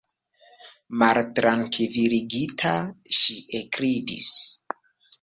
Maltrankviligita, ŝi ekridis.